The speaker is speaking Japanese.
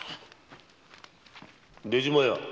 ・出島屋。